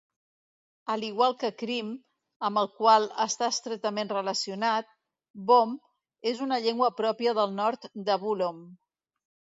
A l'igual que Krim, amb el qual està estretament relacionat, Bom és una llengua pròpia del nord de Bullom.